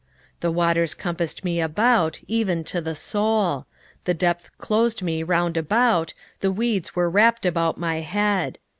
2:5 The waters compassed me about, even to the soul: the depth closed me round about, the weeds were wrapped about my head.